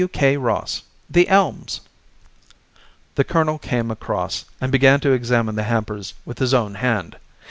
W. K. Ross, The Elms." The colonel came across, and began to examine the hampers with his own hand.